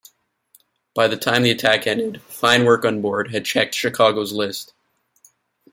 By the time the attack ended, fine work on board had checked "Chicago's" list.